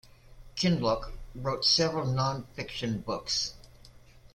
Kinloch wrote several non fiction books.